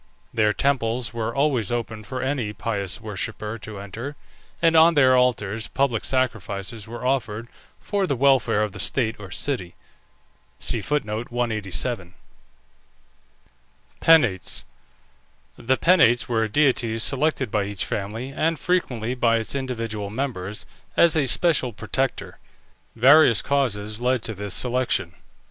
Their temples were always open for any pious worshipper to enter, and on their altars public sacrifices were offered for the welfare of the state or city. PENATES. The Penates were deities selected by each family, and frequently by its individual members, as a special protector. Various causes led to this selection.